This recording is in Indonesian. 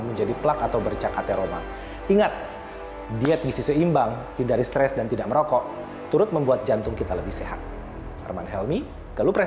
jangan lupa untuk berikan komentar like share dan subscribe